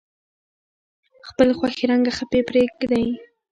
خپلې خوښې رنګه خپې پرې کیږدئ.